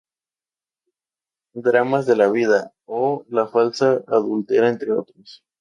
Dramas de la vida" o "La falsa adúltera", entre otros.